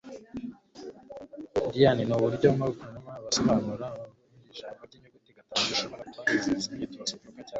"Dynam" nuburyo bukomatanya busobanura iri jambo ryinyuguti gatanu rishobora kubanziriza imyitozo, broker cyangwa feri